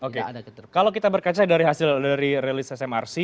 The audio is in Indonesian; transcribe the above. kalau kita berpercaya dari hasil dari rilis smrc